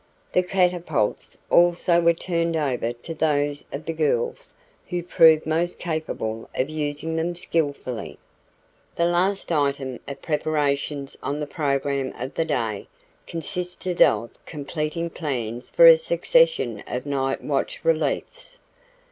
The catapults also were turned over to those of the girls who proved most capable of using them skillfully. The last item of preparations on the program of the day consisted of completing plans for a succession of night watch reliefs.